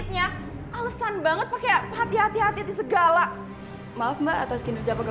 tapi aku nggak boleh sampai masuk kedalam perangkapnya